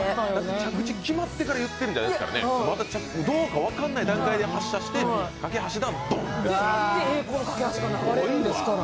着地が決まってから言ってるんじゃないからね、どうか分からない段階で発射して架け橋だ、ドンですからね。